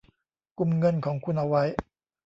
กุมเงินของคุณเอาไว้